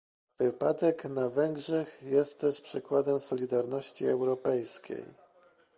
Wypadek na Węgrzech jest też przykładem solidarności europejskiej